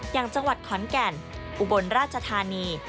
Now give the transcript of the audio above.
อย่างจังหวัดขอนแก่นอุบลราชธานี